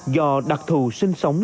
do đặc thù sinh sống